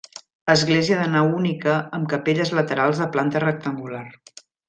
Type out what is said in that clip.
Església de nau única amb capelles laterals de planta rectangular.